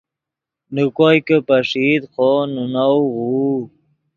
نے کوئے کہ پݰئیت خوو نے نؤ غوؤ